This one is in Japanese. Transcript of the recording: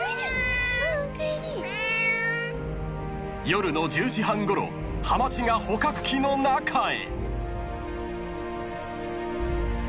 ［夜の１０時半ごろはまちが捕獲器の中へ］